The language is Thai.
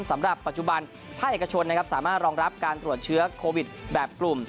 สำหรับปัจจุบันภาคเอกชนนะครับสามารถรองรับการตรวจเชื้อโควิดแบบกลุ่ม